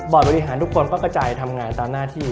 บริหารทุกคนก็กระจายทำงานตามหน้าที่